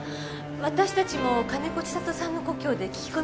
私たちも金子千里さんの故郷で聞き込みをしていたの。